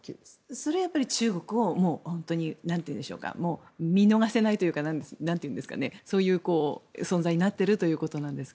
それは、中国をもう見逃せないというような存在になっているということですか。